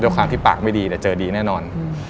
ความที่ปากไม่ดีเจอดีแน่นอน